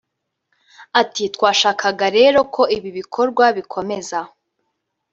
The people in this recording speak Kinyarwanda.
Ati "Twashakaga rero ko ibi bikorwa bikomeza